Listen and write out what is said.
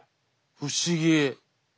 不思議。